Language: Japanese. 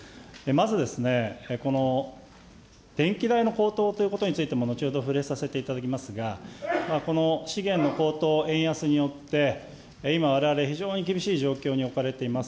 まずですね、電気代の高騰ということについても、後ほど触れさせていただきますが、この資源の高騰、円安によって、今、われわれ非常に厳しい状況に置かれています。